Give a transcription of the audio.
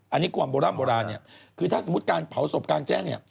อันนี้ความโบร่ำโบราณเนี่ยคือถ้าสมมุติการเผาศพกลางแจ้งเนี่ย